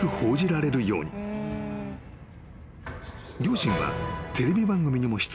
［両親はテレビ番組にも出演］